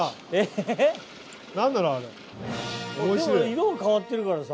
色が変わってるからさ。